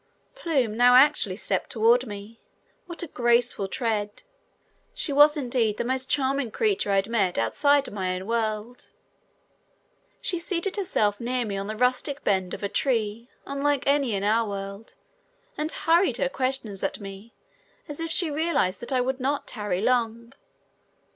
Plume now actually stepped toward me. What a graceful tread. She was indeed the most charming creature I had met outside of my own world. She seated herself near me on the rustic bend of a tree unlike any in our world and hurried her questions at me as if she realized that I would not tarry long.